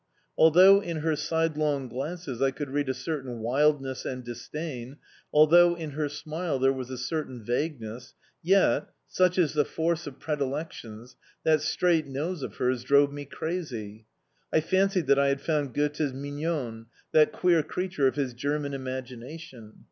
Although in her sidelong glances I could read a certain wildness and disdain, although in her smile there was a certain vagueness, yet such is the force of predilections that straight nose of hers drove me crazy. I fancied that I had found Goethe's Mignon that queer creature of his German imagination.